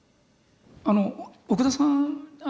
あの奥田さん